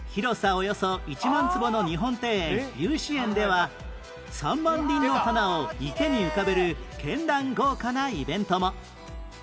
およそ１万坪の日本庭園由志園では３万輪の花を池に浮かべる絢爛豪華なイベントも